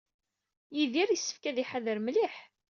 Yidir yessefk ad iḥader mliḥ.